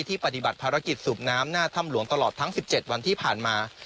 ปฏิบัติภารกิจสูบน้ำหน้าถ้ำหลวงตลอดทั้ง๑๗วันที่ผ่านมา